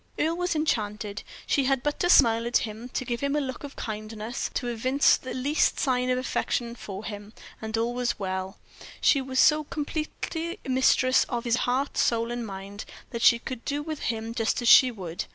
Earle was enchanted; she had but to smile at him, to give him a look of kindness, to evince the least sign of affection for him, and all was well; she was so completely mistress of his heart, soul, and mind, that she could do with him just as she would.